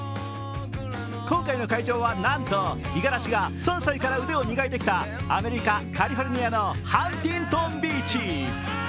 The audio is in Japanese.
今回の会場は、なんと五十嵐が３歳から腕を磨いてきたアメリカ・カリフォルニアのハンティントンビーチ。